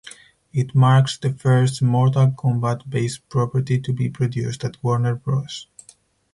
It marks the first "Mortal Kombat" based property to be produced at Warner Bros.